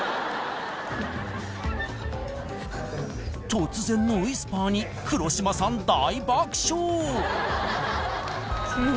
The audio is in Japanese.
あの突然のウイスパーに黒島さん大爆笑！